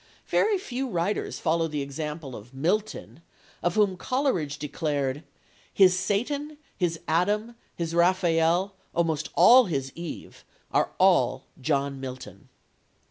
Very few writers follow the example of Milton, of whom Coleridge declared "his Satan, his Adam, his Raphael, almost all his Eve, are all John Milton."